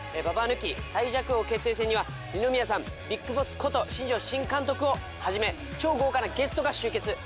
ババ抜き最弱王決定戦には二宮さんビッグボスこと新庄新監督をはじめ超豪華なゲストが集結。